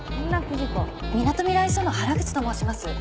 みなとみらい署の原口と申します。